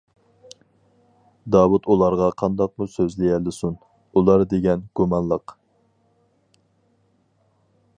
داۋۇت ئۇلارغا قانداقمۇ سۆزلىيەلىسۇن، ئۇلار دېگەن گۇمانلىق.